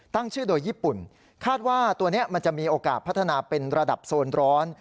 ตั้งชื่อโดยญี่ปุ่นคาดว่าตัวนี้มันจะมีโอกาสพัฒนาเป็นระดับโซนร้อน